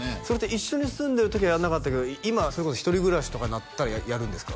一緒に住んでる時はやらなかったけど今はそれこそ一人暮らしとかになったらやるんですか？